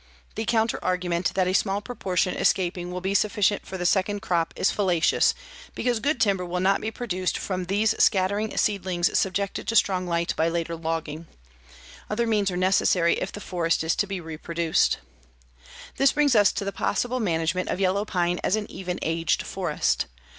The counter argument that a small proportion escaping will be sufficient for the second crop is fallacious, because good timber will not be produced from these scattering seedlings subjected to strong light by later logging. Other means are necessary if the forest is to be reproduced. This brings us to the possible management of yellow pine as an even aged forest.